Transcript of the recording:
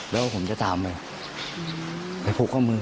แล้วผมจะตามไปไปผูกข้อมือ